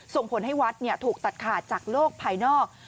ส่งผลให้วัดถูกตัดขาดจากโลกภายนอก